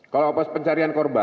kalau pas pencarian korban